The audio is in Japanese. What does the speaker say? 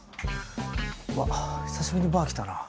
うわっ久しぶりにバー来たなあ。